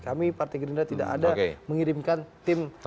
kami partai gerinda tidak ada mengirimkan tim anggota